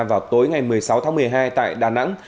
vào tối ngày một mươi sáu tháng một mươi hai tại đà nẵng